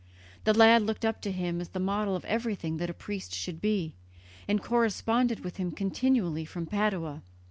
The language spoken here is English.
The lad looked up to him as the model of everything that a priest should be, and corresponded with him continually from Padua.